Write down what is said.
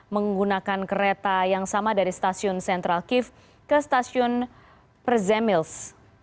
menggunakan kereta yang sama dari stasiun central kiev ke stasiun prezemils